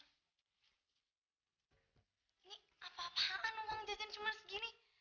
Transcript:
ini apa apaan uang jatin cuma segini